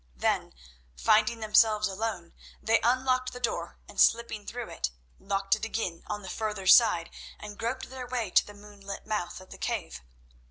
Then, finding themselves alone, they unlocked the door, and slipping through it, locked it again on the further side and groped their way to the moonlit mouth of the cave.